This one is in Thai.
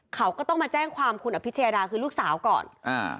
เขาก็ต้องมาแจ้งความคุณอภิชยาดาคือลูกสาวก่อนอ่า